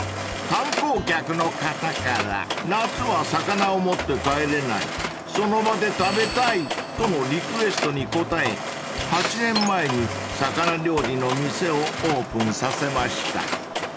［観光客の方から「夏は魚を持って帰れない」「その場で食べたい」とのリクエストに応え８年前に魚料理の店をオープンさせました］